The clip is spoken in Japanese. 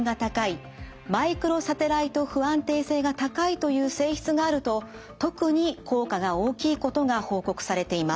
マイクロサテライト不安定性が高いという性質があると特に効果が大きいことが報告されています。